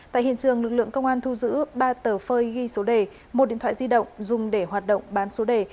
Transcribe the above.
tại hiện trường lực lượng công an thu giữ ba tờ phơi ghi số đề một điện thoại di động dùng để hoạt động bán số đề